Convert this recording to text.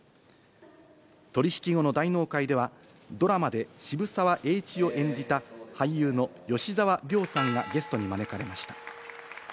取り引き後の大納会では、ドラマで渋沢栄一を演じた俳優の吉沢亮さんがゲストに招かれました。